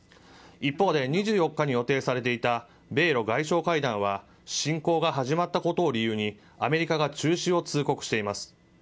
一方で、２４日に予定されていた、米ロ外相会談は、侵攻が始まったことを理由に、アメリカが中止を通告しています。